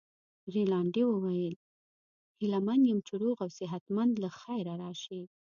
رینالډي وویل: هیله من یم چي روغ او صحت مند له خیره راشې.